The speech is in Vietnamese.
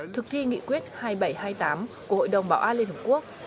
thực thi nghị quyết hai nghìn bảy trăm hai mươi tám của hội đồng bảo an liên hợp quốc